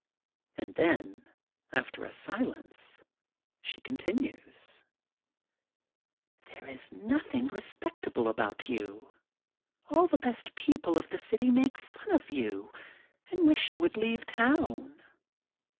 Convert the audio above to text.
'' And then, after a silence, she continues: —There is nothing respectable about you. All the best people of the city make fun of you and wish you would leave town.